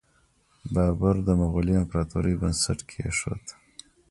بابر د مغولي امپراتورۍ بنسټ کیښود.